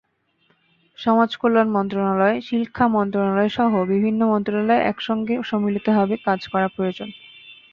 সমাজকল্যাণ মন্ত্রণালয়, শিক্ষা মন্ত্রণালয়সহ বিভিন্ন মন্ত্রণালয়ের একসঙ্গে সম্মিলিতভাবে কাজ করা প্রয়োজন।